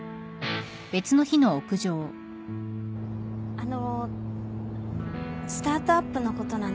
あのスタートアップのことなんですけど。